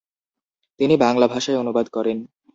তিনি বাংলা ভাষায় অনুবাদ করেন।